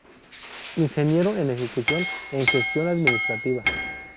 Ingeniero en Ejecución en gestión administrativa.